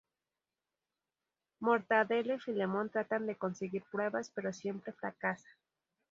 Mortadelo y Filemón tratan de conseguir pruebas, pero siempre fracasan.